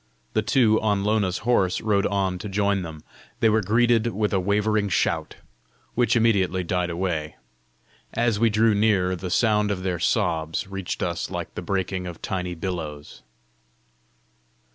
The two on Lona's horse rode on to join them. They were greeted with a wavering shout which immediately died away. As we drew near, the sound of their sobs reached us like the breaking of tiny billows.